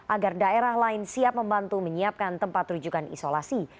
agar daerah lain siap membantu menyiapkan tempat rujukan isolasi